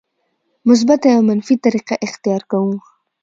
مثبته یا منفي طریقه اختیار کوو.